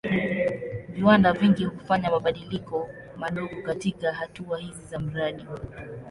Viwanda vingi hufanya mabadiliko madogo katika hatua hizi za mradi.